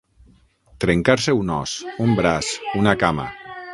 Trencar-se un os, un braç, una cama.